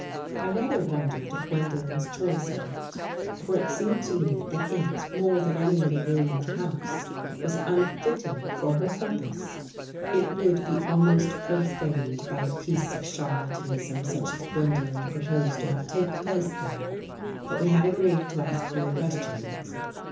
I rather wondered at Gwendolen's choice of it, for it seemed to me that it, more than any other room in the house, was unfitting for her pur pose. It would be almost profaned by a piece of charlatanism such as Gwendolen proposed to have take place there. But we had agreed to ask no questions.